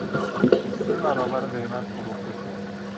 به سه برابر قیمت فروخته شد.